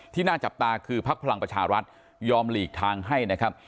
น่าจับตาคือพักพลังประชารัฐยอมหลีกทางให้นะครับ